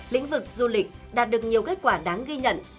lĩnh vực du lịch đạt được nhiều kết quả đáng ghi nhận